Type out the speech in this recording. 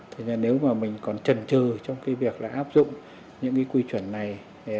thế là nếu mà mình còn trần trừ trong cái việc là áp dụng những cái quy chuẩn này